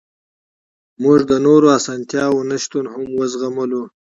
موږ د نورو اسانتیاوو نشتون هم وزغملو